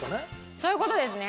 そういう事ですね。